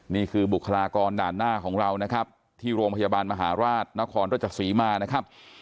นี่คือบุคลากรด่านหน้าของเรานะครับที่โรงพยาบาลมหาราชนครรัชศรีมานะครับ